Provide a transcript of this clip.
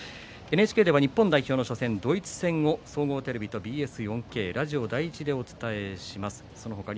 ＮＨＫでは、日本代表の初戦ドイツ戦を総合テレビとＢＳ４Ｋラジオ第１でお伝えする他